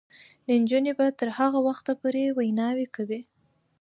نجونې به تر هغه وخته پورې ویناوې کوي.